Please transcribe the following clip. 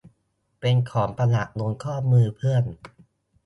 เป็นของประดับบนข้อมือเพื่อน